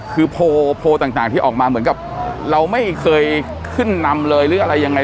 คือโพลโพลต่างที่ออกมาเหมือนกับเราไม่เคยขึ้นนำเลยหรืออะไรยังไง